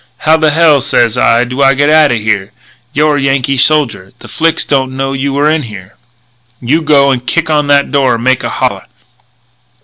"'How the hell,' sez I, 'do I get out of here?' 'You're a Yankee soldier. The Flics don't know you were in here. You go and kick on that door and make a holler.'